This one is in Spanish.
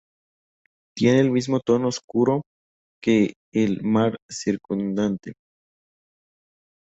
Tiene el mismo tono oscuro que el mare circundante.